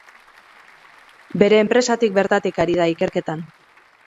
Bere enpresatik bertatik ari da ikerketan.